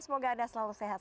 semoga anda selalu sehat